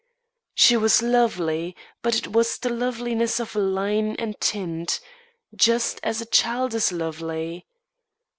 She was lovely; but it was the loveliness of line and tint, just as a child is lovely.